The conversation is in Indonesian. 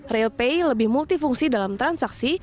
railpay lebih multifungsi dalam transaksi